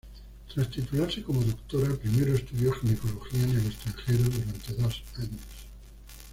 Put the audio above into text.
Tras titularse como doctora primero estudió ginecología en el extranjero durante dos años.